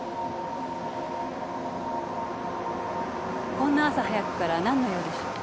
こんな朝早くから何の用でしょう？